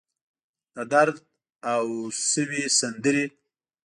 د درد اوسوي سندرې